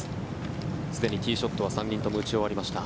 すでにティーショットは３人とも打ち終わりました。